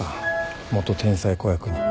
元天才子役に。